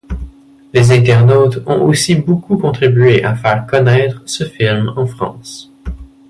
Les internautes ont aussi beaucoup contribué à faire connaitre ce film en France.